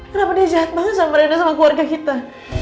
kenapa dia sehat banget sama rina sama keluarga kita